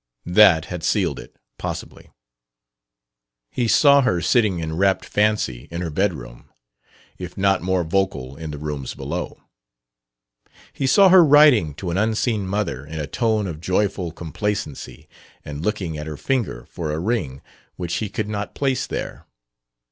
That had sealed it, possibly. He saw her sitting in rapt fancy in her bedroom if not more vocal in the rooms below. He saw her writing to an unseen mother in a tone of joyful complacency, and looking at her finger for a ring which he could not place there.